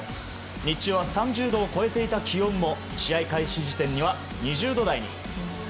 日中は３０度を超えていた気温も試合開始時点には２０度台に。